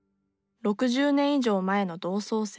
６０年以上前の同窓生。